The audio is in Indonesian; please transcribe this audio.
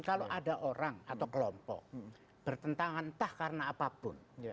kalau ada orang atau kelompok bertentangan entah karena apapun